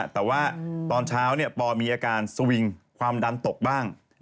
แต่ว่าตอนเช้าปอมีอาการสวิงความดันตกบ้าง